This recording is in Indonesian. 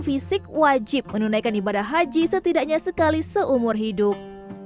fisik wajib menunaikan ibadah haji setidaknya sekali seumur hidup